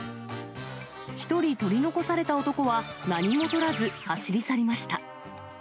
一人取り残された男は、何もとらず、走り去りました。